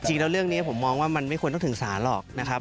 จริงแล้วเรื่องนี้ผมมองว่ามันไม่ควรต้องถึงศาลหรอกนะครับ